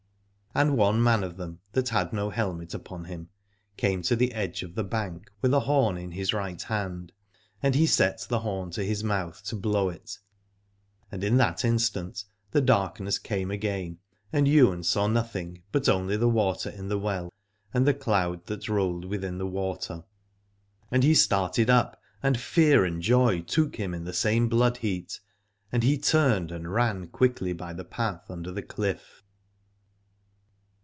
And one man of them, that had no helmet upon him, came to the edge of the bank, with a horn in his right hand: and he set the horn to his mouth to blow it, and in that instant the darkness came again, and Ywain saw nothing but only the water in the well, and the cloud that rolled within the water. And he started up, and fear and joy took him in the same blood heat, and he turned and ran quickly by the path under the cliff.